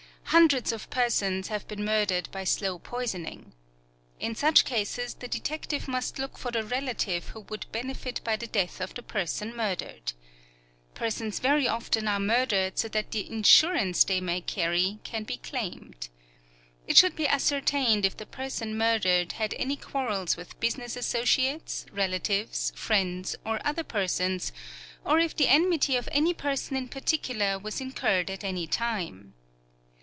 Hundreds of persons have been murdered by slow poisoning. In such cases the detective must look for the relative who would benefit by the death of the person murdered. Persons very often are murdered so that the insurance they may carry can be claimed. It should be ascertained if the person murdered had any quarrels with business associates, relatives, friends, or other persons, or if the enmity of any person in particular was incurred at any time.